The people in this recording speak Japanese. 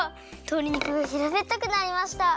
とり肉がひらべったくなりました。